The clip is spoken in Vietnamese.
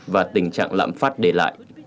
và tình trạng lạm phát để lại